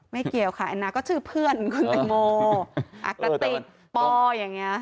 เกี่ยวค่ะแอนนาก็ชื่อเพื่อนคุณแตงโมอากระติกปอย่างนี้